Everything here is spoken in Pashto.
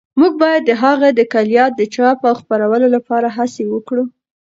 موږ باید د هغه د کلیات د چاپ او خپرولو لپاره هڅې وکړو.